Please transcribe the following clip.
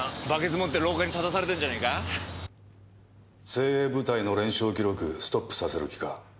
精鋭部隊の連勝記録ストップさせる気か？